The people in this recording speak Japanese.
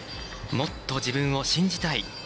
もっと自分を信じたい。